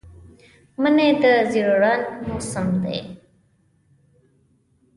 مني د زېړ رنګ موسم دی